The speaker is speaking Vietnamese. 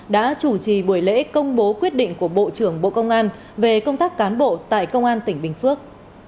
đã chủ trì buổi lễ công bố quyết định của bộ trưởng bộ công an về công tác cán bộ tại công an tỉnh bình phước